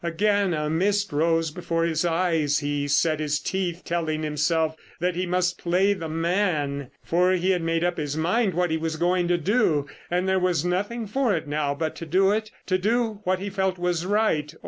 Again a mist rose before his eyes. He set his teeth, telling himself that he must play the man. For he had made up his mind what he was going to do, and there was nothing for it now but to do it. To do what he felt was right.